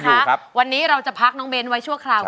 ยังอยู่ครับวันนี้เราจะพักน้องเบ้นไว้ชั่วคราวก่อน